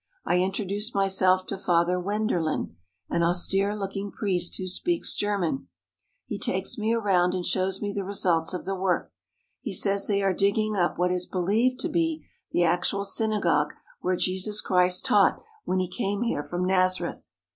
I introduce myself to Father Wenderlin, an austere looking priest who speaks German. He takes me around and shows me the results of the work. He says they are digging up what is be lieved to be the actual synagogue where Jesus Christ taught when He came here from Nazareth.